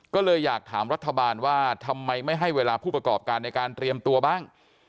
ก็เลยอยากถามรัฐบาลว่าทำไมไม่ให้เวลาผู้ประกอบการในการเตรียมตัวบ้าง